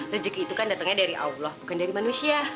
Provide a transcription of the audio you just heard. rezeki itu kan datangnya dari allah bukan dari manusia